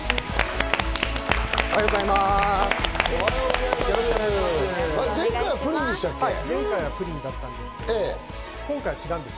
おはようございます。